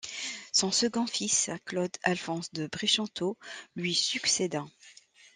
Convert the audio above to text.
Son second fils, Claude-Alphonse de Brichanteau lui succéda.